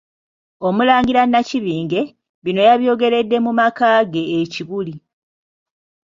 Omulangira Nakibinge, bino yabyogeredde mu makaage e Kibuli